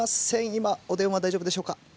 今お電話大丈夫でしょうか？